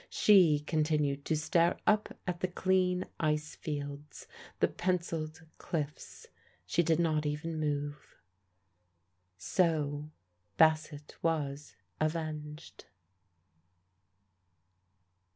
She continued to stare up at he clean ice fields, the pencilled cliffs. She did not even move. So Bassett was avenged.